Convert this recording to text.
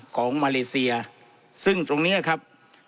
ของมาเลเซียซึ่งตรงนี้ครับ